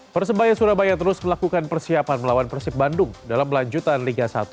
persebaya surabaya terus melakukan persiapan melawan persib bandung dalam lanjutan liga satu